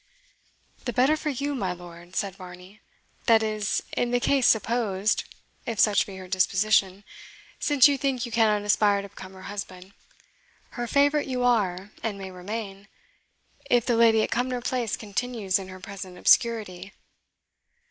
"The better for you, my lord," said Varney "that is, in the case supposed, if such be her disposition; since you think you cannot aspire to become her husband. Her favourite you are, and may remain, if the lady at Cumnor place continues in her present obscurity."